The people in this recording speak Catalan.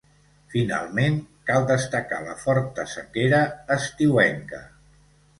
Finalment, cal destacar la forta sequera estiuenca.